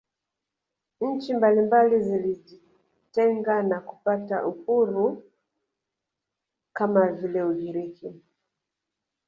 Nchi mbalimbali zilijitenga na kupata uhuru kama vile Ugiriki